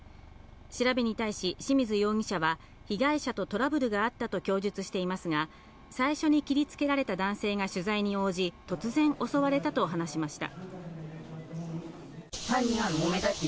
調べに対し、清水容疑者は被害者とトラブルがあったと供述していますが、最初に切りつけられた男性が取材に応じ、突然襲われたと話しました。